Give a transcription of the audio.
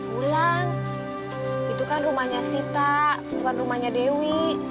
bulan itu kan rumahnya sita bukan rumahnya dewi